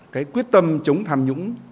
cái quyết tâm chống tham nhũng